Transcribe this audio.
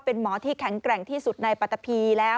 เป็นหมอที่แข็งแกร่งที่สุดในปัตตะพีแล้ว